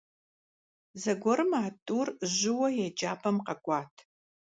Zeguerım a t'ur jıue yêcap'em khek'uat.